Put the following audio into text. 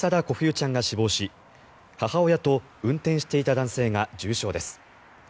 瑚冬ちゃんが死亡し母親と運転していた男性が重傷です。